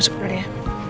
aku masuk dulu ya